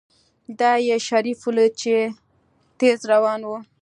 دا يې شريف وليد چې تېز روان و.